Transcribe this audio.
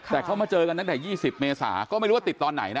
แต่เขามาเจอกันตั้งแต่๒๐เมษาก็ไม่รู้ว่าติดตอนไหนนะ